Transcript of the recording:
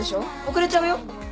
遅れちゃうよ。